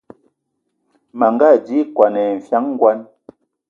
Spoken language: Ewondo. Manga adi ekɔn ai nfian ngɔn.